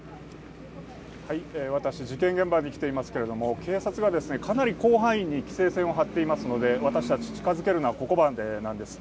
私、事件現場に来ていますけれども、警察がかなり広範囲に規制線を張っていますので、私たち近づけるのはここまでなんです。